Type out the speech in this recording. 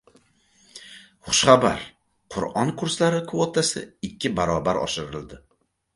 Xushxabar: Qur’on kurslari kvotasi ikki barobar oshirildi